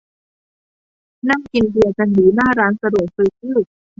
นั่งกินเบียร์กันอยู่หน้าร้านสะดวกซื้อ